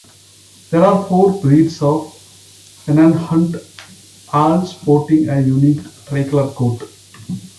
There are four breeds of Sennenhund, all sporting a unique tricolor coat.